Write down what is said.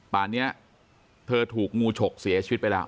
ป่านนี้เธอถูกงูฉกเสียชีวิตไปแล้ว